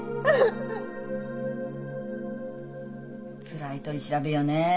つらい取り調べよねえ。